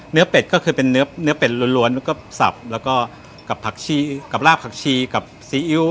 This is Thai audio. เนื้อเป็ดก็คือเป็นเนื้อเป็ดล้วนก็สับแล้วก็กับราบผักชีกับซีอิ๊ว